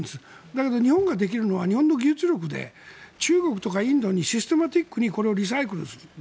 だけど、日本ができるのは日本の技術力で中国とかインドにシステマティックにこれをリサイクルする。